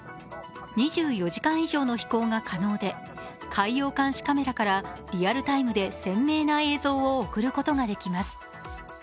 ２４時間以上の飛行が可能で海洋監視カメラからリアルタイムで鮮明な映像を送ることができます。